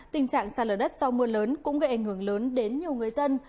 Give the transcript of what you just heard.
tình trạng sạt lở đất sau mưa lớn cũng gây ảnh hưởng lớn đến nhiều người dân